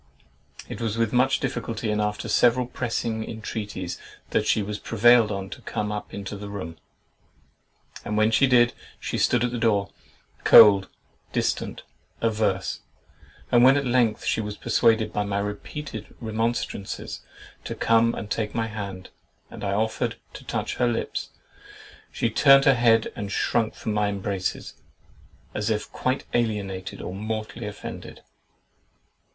It was with much difficulty and after several pressing intreaties that she was prevailed on to come up into the room; and when she did, she stood at the door, cold, distant, averse; and when at length she was persuaded by my repeated remonstrances to come and take my hand, and I offered to touch her lips, she turned her head and shrunk from my embraces, as if quite alienated or mortally offended.